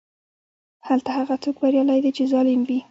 هلته هغه څوک بریالی دی چې ظالم وي.